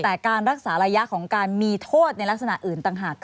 แต่การรักษาระยะของการมีโทษในลักษณะอื่นต่างหาก